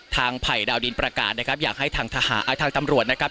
ไผ่ดาวดินประกาศนะครับอยากให้ทางทหารทางตำรวจนะครับ